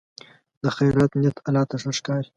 د خیر نیت الله ته ښکاري.